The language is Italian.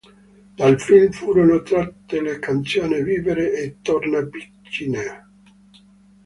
Dal film furono tratte le canzoni "Vivere" e "Torna piccina!".